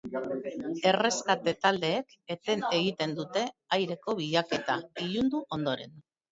Erreskate taldeek eten egin dute aireko bilaketa, ilundu ondoren.